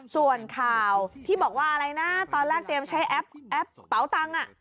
ส่วนข่าวที่บอกว่าตอนแรกเตรียมใช้แอปเปาตัง